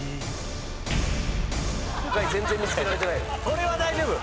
これは大丈夫！